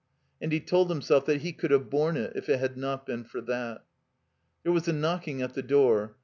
And he told himself that he could have borne it if it had not been for that. There was a knocking at the door.